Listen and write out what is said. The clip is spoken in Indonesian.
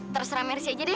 terserah mary saja deh